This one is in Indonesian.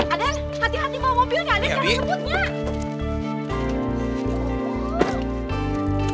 aden hati hati bawa mobilnya aden jangan lebutnya